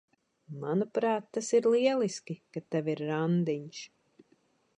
Manuprāt, tas ir lieliski, ka tev ir randiņš.